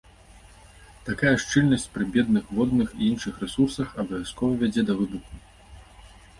Такая шчыльнасць пры бедных водных і іншых рэсурсах абавязкова вядзе да выбуху.